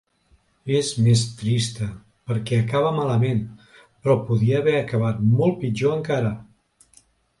És més trista, perquè acaba malament, però podia haver acabat molt pitjor encara.